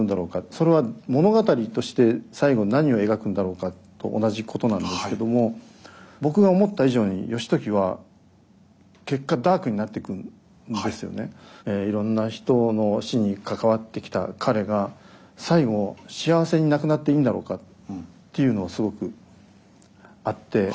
それは物語として最後に何を描くんだろうかと同じことなんですけども僕が思った以上に義時はいろんな人の死に関わってきた彼が最期幸せに亡くなっていいんだろうかっていうのをすごくあって。